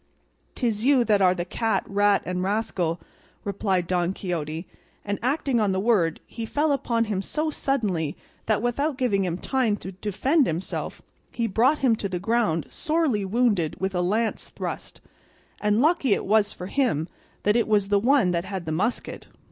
"'Tis you that are the cat, rat, and rascal," replied Don Quixote, and acting on the word he fell upon him so suddenly that without giving him time to defend himself he brought him to the ground sorely wounded with a lance thrust; and lucky it was for him that it was the one that had the musket.